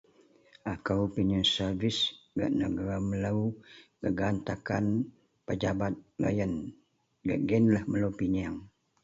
akou piyeang service gak negara melou gaan takan pejabat loyien, gak gienlah melou piyeang